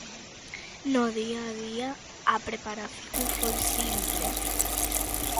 No día a día, a preparación foi simple.